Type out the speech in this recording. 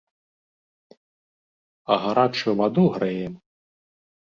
А гарачую ваду грэем.